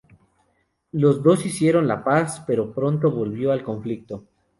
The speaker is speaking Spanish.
Los dos hicieron la paz, pero pronto volvió al conflicto.